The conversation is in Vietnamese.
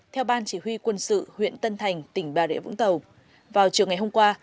theo ban chỉ huy quân sự huyện tân thành tỉnh bà rịa vũng tàu vào chiều ngày hôm qua